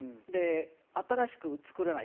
新しく作らない。